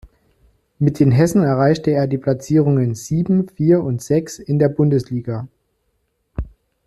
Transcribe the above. Mit den Hessen erreichte er die Platzierungen sieben, vier und sechs in der Bundesliga.